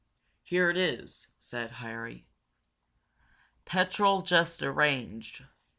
"Here it is," said Harry. "Petrol just arranged.